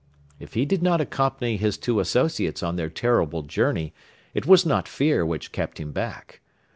If he did not accompany his two associates on their terrible journey it was not fear which kept him back.